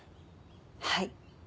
はい。